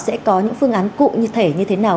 sẽ có những phương án cụ như thế nào